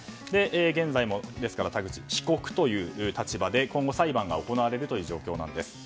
現在も被告という立場で今後、裁判が行われるという状況なんです。